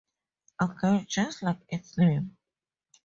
Again, just like its name.